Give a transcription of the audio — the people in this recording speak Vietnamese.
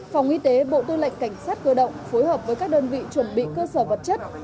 phòng y tế bộ tư lệnh cảnh sát cơ động phối hợp với các đơn vị chuẩn bị cơ sở vật chất